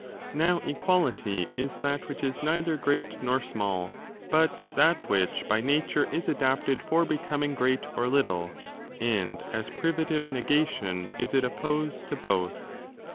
Now equality is that which is neither great nor small, but that which by nature is adapted for becoming great or little ; and aa privative negation is it opposed to both.